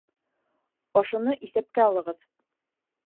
Ошоно иҫәпкә алығыҙ.